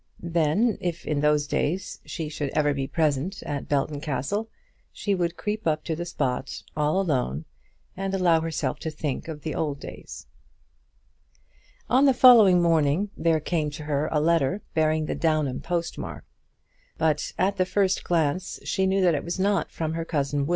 Then, if in those days she should ever be present at Belton Castle, she would creep up to the spot all alone, and allow herself to think of the old days. On the following morning there came to her a letter bearing the Downham post mark, but at the first glance she knew that it was not from her cousin Will.